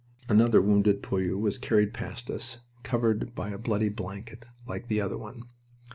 Another wounded poilu was carried past us, covered by a bloody blanket like the other one.